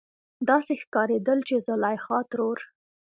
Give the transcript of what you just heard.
داسې ښکارېدل چې زليخا ترور